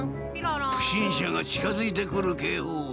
不審者が近づいてくる警報音。